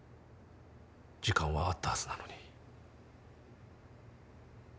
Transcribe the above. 時間はあったはずなのに。